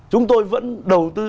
chúng tôi vẫn đầu tư